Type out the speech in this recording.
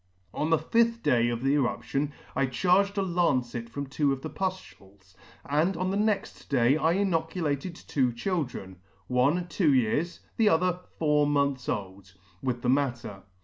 On the fifth day of the eruption I charged a lancet from two of the puftules, and on the next day I inoculated two children, one two years, the other four months old, with the matter.